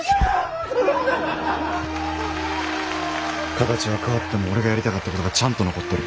形は変わっても俺がやりたかったことがちゃんと残ってる。